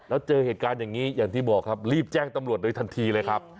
แล้วเจอเหตุการณ์อย่างนี้อย่างที่บอกครับรีบแจ้งตำรวจโดยทันทีเลยครับ